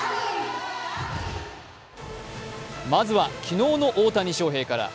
まずは昨日の大谷翔平から。